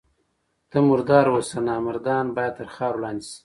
ته مرد اوسه! نامردان باید تر خاورو لاندي سي.